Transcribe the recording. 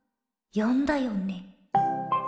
よんだよね？